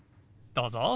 どうぞ。